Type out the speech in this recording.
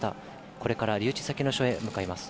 これから留置先の署へ向かいます。